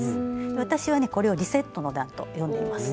私はねこれを「リセットの段」と呼んでいます。